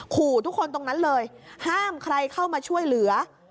ขู่ทุกคนตรงนั้นเลยห้ามใครเข้ามาช่วยเหลือ